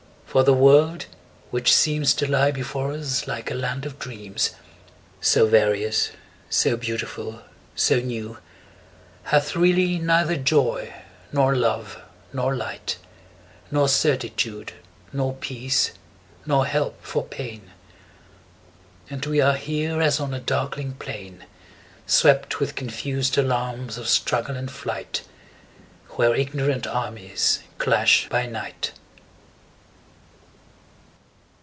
for the world, which seems 30 To lie before us like a land of dreams, So various, so beautiful, so new, Hath really neither joy, nor love, nor light, Nor certitude, nor peace, nor help for pain; And we are here as on a darkling plain 35 Swept with confused alarms of struggle and flight, Where ignorant armies clash by night.